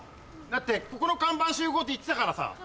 だってここの看板集合って言ってたからさ。